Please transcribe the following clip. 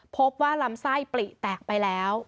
พบว่าลำไส้ปลีแตกไปแล้ว